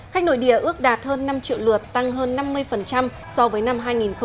khách nội địa ước đạt hơn năm triệu lượt tăng hơn năm mươi so với năm hai nghìn một mươi tám